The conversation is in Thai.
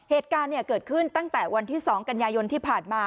เหตุการณ์เกิดขึ้นตั้งแต่วันที่๒กันยายนที่ผ่านมา